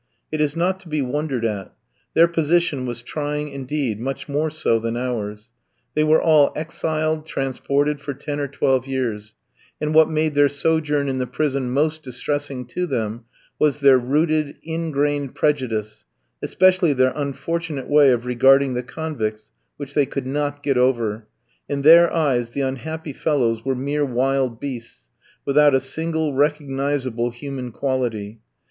It is not to be wondered at; their position was trying indeed, much more so than ours; they were all exiled, transported, for ten or twelve years; and what made their sojourn in the prison most distressing to them was their rooted, ingrained prejudice, especially their unfortunate way of regarding the convicts, which they could not get over; in their eyes the unhappy fellows were mere wild beasts, without a single recognisable human quality.